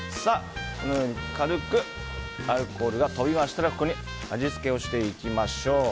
軽くアルコールがとびましたらここに味付けをしていきましょう。